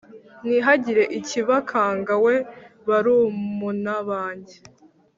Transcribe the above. Ntihagire ikibakanga we barumuna banjye